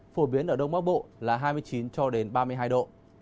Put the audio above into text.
phổ biến ở đông bắc bộ là hai mươi chín cho đến ba mươi hai độ